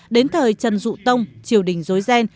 đến thời trần dụ tông triều đình dối ghen